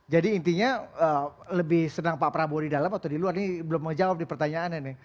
jadi intinya lebih senang pak prabowo di dalam atau di luar ini belum menjawab di pertanyaannya nih